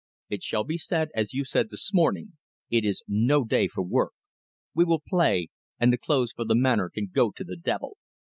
It shall be as you said this morning it is no day for work. We will play, and the clothes for the Manor can go to the devil.